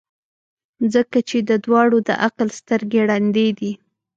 ځکه چي د دواړو د عقل سترګي ړندې دي.